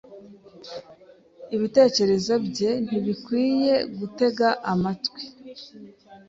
Ibitekerezo bye ntibikwiye gutega amatwi